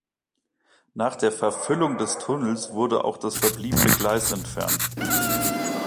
Nach der Verfüllung des Tunnels wurde auch das verbliebene Gleis entfernt.